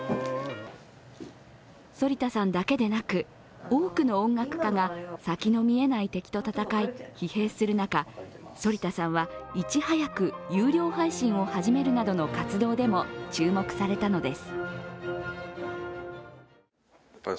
反田さんだけでなく、多くの音楽家が先の見えない敵と戦い疲弊する中反田さんは、いち早く有料配信を始めるなどの活動でも注目されたのです。